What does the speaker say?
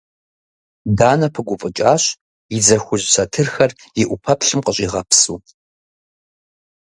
Данэ пыгуфӏыкӏащ, и дзэ хужь сэтырхэр и ӏупэплъым къыщӏигъэпсыу.